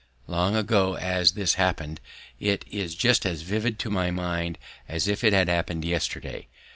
Long ago as this happened it is just as vivid to my mind as if it had happened yesterday.